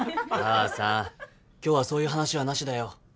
母さん今日はそういう話はなしだよ。